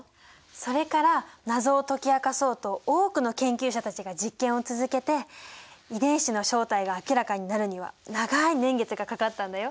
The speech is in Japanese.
それから謎を解き明かそうと多くの研究者たちが実験を続けて遺伝子の正体が明らかになるには長い年月がかかったんだよ。